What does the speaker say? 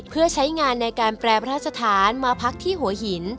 เพื่อใช้งานในการแปรพระสถานมาพักที่หัวหิน